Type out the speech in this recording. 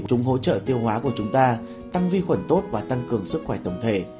chúng hỗ trợ tiêu hóa của chúng ta tăng vi khuẩn tốt và tăng cường sức khỏe tổng thể